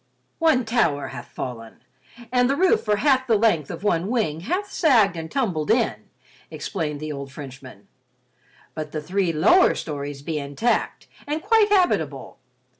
"One tower hath fallen, and the roof for half the length of one wing hath sagged and tumbled in," explained the old Frenchman. "But the three lower stories be intact and quite habitable.